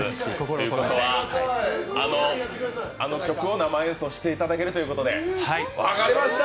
ということはあの曲を生演奏していただけるということで。